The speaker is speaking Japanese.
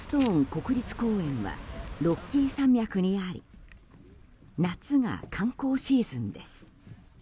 国立公園はロッキー山脈にあり夏が観光シーズンです。